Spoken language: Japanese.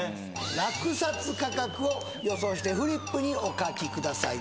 落札価格を予想してフリップにお書きください